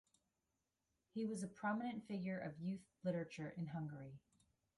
He was a prominent figure of youth literature in Hungary.